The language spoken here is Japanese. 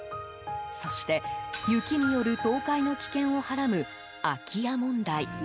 そして雪による倒壊の危険をはらむ空き家問題。